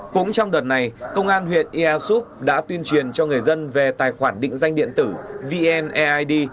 cũng trong đợt này công an huyện ea xúc đã tuyên truyền cho người dân về tài khoản định danh điện tử vn eid